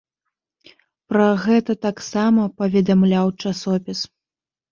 Пра гэта таксама паведамляў часопіс.